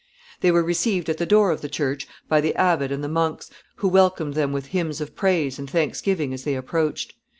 They were received at the door of the church by the abbot and the monks, who welcomed them with hymns of praise and thanksgiving as they approached.